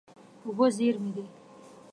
اوبه زېرمې دي.